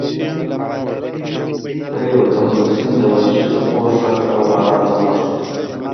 پرېوتم، د سیند د وحشي څپو غږ او باران ته غوږ شوم.